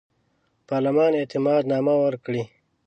پالمر اعتماد نامه ورکړي.